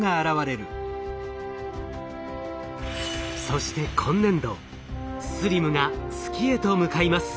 そして今年度ＳＬＩＭが月へと向かいます。